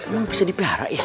lo bisa dipihara ya